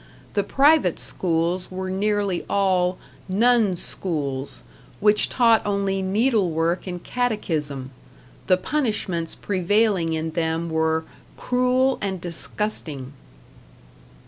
The private schools were nearly all "nuns' schools", which taught only needle work and catechism; the punishments prevailing in them were "cruel and disgusting."